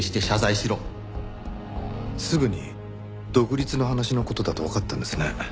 すぐに独立の話の事だとわかったんですね。